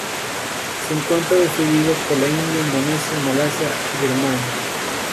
Se encuentra distribuido por India, Indonesia, Malasia y Birmania.